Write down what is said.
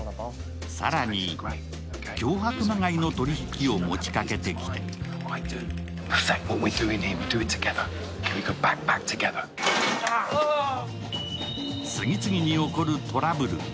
更に脅迫まがいの取り引きを持ちかけてきて次々に起こるトラブル。